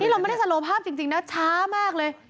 เราไม่ได้สโลภาพจริงนะช้ามากเลย